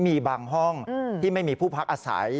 มีบางห้องที่ไม่มีผู้พักอาศัย